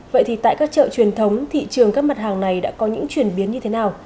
vậy thì tại các chợ truyền thống thị trường các mặt hàng này đã có những chuyển biến như thế nào